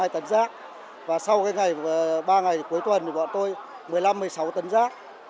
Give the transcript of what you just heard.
một mươi hai tấn giác và sau ba ngày cuối tuần thì bọn tôi một mươi năm một mươi sáu tấn giác